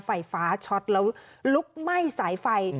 ไฟฟ้าช็อตแล้วลุกไหม้สายไฟ